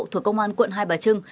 thuộc công an quận hai bà trưng